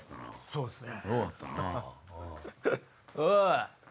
そうですね。